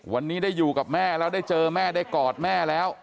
วันนี้ได้อยู่กับแม่แล้วได้เจอแม่ได้กอดแม่แล้ว